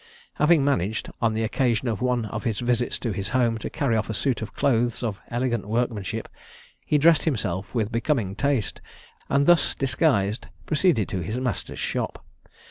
Having managed, on the occasion of one of his visits to his home, to carry off a suit of clothes of elegant workmanship, he dressed himself with becoming taste, and, thus disguised, proceeded to his master's shop.